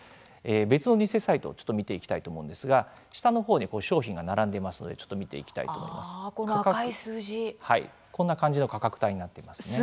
別の偽サイトをちょっと見ていきたいと思うんですが下のほうに商品が並んでいますのでこの赤い数字。こんな感じの価格帯になっていますね。